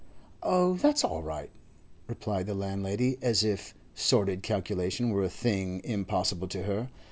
'Oh, that's all right,' replied the landlady, as if sordid calculation were a thing impossible to her.